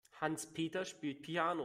Hans-Peter spielt Piano.